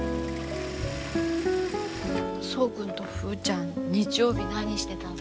そう君とふうちゃん日曜日何してたの？